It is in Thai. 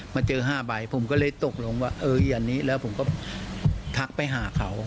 แต่ก็มันเป็นอย่างนี้ผมก็ไม่รู้ว่า